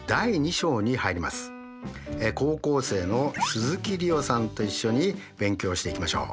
高校生の鈴木梨予さんと一緒に勉強していきましょう。